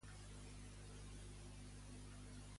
On van els Joaldunak de Zubieta, el dilluns?